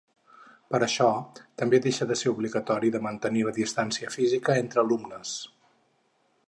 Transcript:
Per això també deixa de ser obligatori de mantenir la distància física entre alumnes.